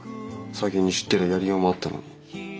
先に知ってりゃやりようもあったのに。